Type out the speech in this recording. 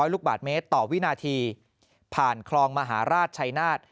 ลูกบาทเมตรต่อวินาทีผ่านคลองมหาราชชัยนาฏ